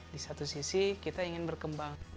di satu sisi kita ingin berkembang